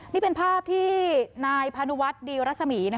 นี่เป็นภาพที่นายพานุวัฒน์ดีรัศมี